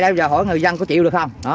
bây giờ hỏi người giăng có chịu được không